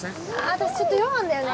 私ちょっと用あんだよね。